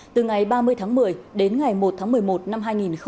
từ ngày ba mươi tháng một mươi đến ngày một tháng một mươi một năm hai nghìn hai mươi